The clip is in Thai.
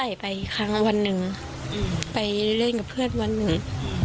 ไม่ใส่ไปครั้งงั้นวันหนึงแล้วเร่งกับเพื่อนวันหนึ่ง